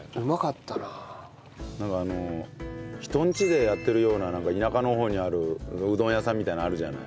なんかあの人ん家でやってるような田舎の方にあるうどん屋さんみたいなのあるじゃない。